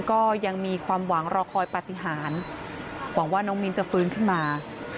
ก็ยังมีความหวังรอคอยปฏิหารหวังว่าน้องมิ้นจะฟื้นขึ้นมา